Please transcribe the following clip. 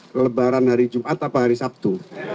kelebaran hari jumat atau hari sabtu